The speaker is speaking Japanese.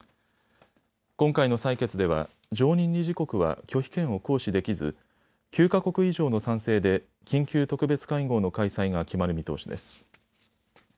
今回の採決では常任理事国は拒否権を行使できず９か国以上の賛成で緊急特別会合の開催が決まる見通しです。